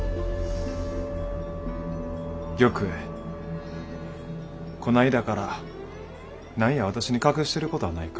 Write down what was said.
玉栄こないだから何や私に隠してることはないか？